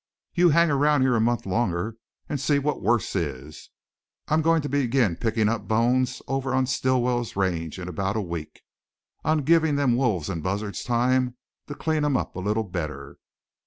"You hang around here a month longer and see what worse is! I'm goin' to begin pickin' up bones over on Stilwell's range in about a week; I'm givin' them wolves and buzzards time to clean 'em up a little better.